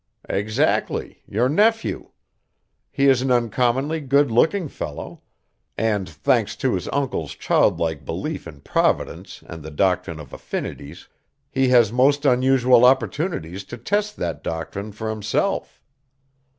"Exactly; your nephew. He is an uncommonly good looking fellow, and, thanks to his uncle's childlike belief in Providence and the doctrine of affinities, he has most unusual opportunities to test that doctrine for himself.